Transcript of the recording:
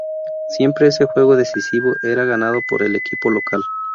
Siempre ese juego decisivo era ganado por el equipo local.